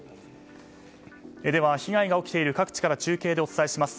では被害が起きている各地から中継でお伝えします。